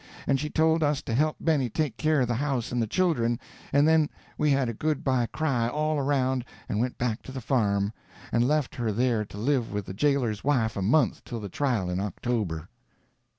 And she told us to help Benny take care of the house and the children, and then we had a good bye cry all around and went back to the farm, and left her there to live with the jailer's wife a month till the trial in October.